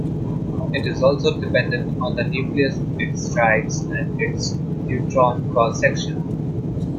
It is also dependent on the nucleus it strikes and its neutron cross section.